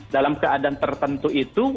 dalam keadaan tertentu itu